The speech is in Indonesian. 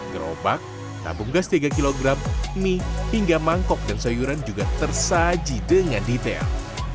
gerobak tabung gas tiga kg mie hingga mangkok dan sayuran juga tersaji dengan detail